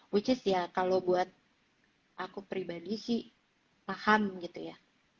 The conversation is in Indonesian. which is ya kalau buat aku pribadi sih paham gitu ya